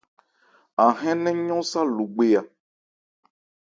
An hɛ́n nnɛn yɔ́n sâ Logbe a.